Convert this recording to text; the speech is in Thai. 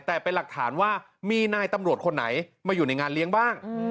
แต่เป็นหลักฐานว่ามีนายตำรวจคนไหนมาอยู่ในงานเลี้ยงบ้าง